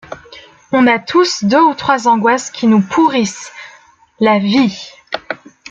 On a tous deux ou trois angoisses qui nous pourrissent la vie.